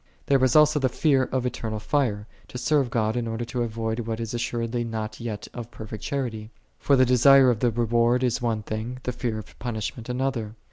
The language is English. There '< is also the fear of eternal fire, to serve God I in order to avoid which is assuredly not yet i of perfect charity. For the desire of the re • ward is one thing, the fear of punishment an ! other.